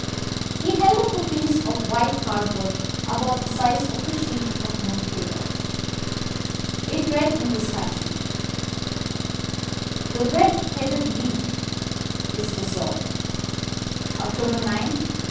He held up a piece of white cardboard about the size of a sheet of note paper. It read in this fashion: "THE RED HEADED LEAGUE IS DISSOLVED. October 9, 1890."